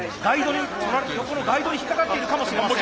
横のガイドに引っ掛かっているかもしれません。